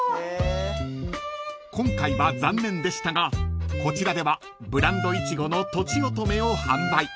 ［今回は残念でしたがこちらではブランドイチゴのとちおとめを販売］